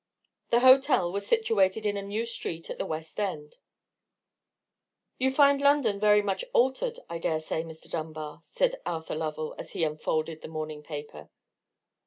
The hotel was situated in a new street at the West End. "You find London very much altered, I dare say, Mr. Dunbar?" said Arthur Lovell, as he unfolded the morning paper.